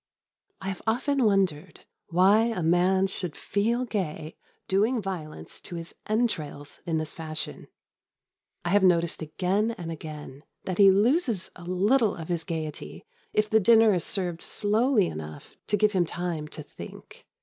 I have often wondered why a man should feel gay doing violence to his entrails in this fashion. I have noticed again and again that he loses a little of his gaiety if the dinner is served slowly enough to give him time to think.